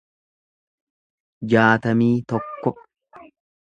jaatamii tokko